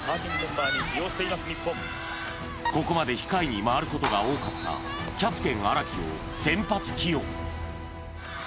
ここまで控えに回ることが多かったキャプテン・荒木を先発起用